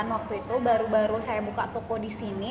waktu itu baru baru saya buka toko di sini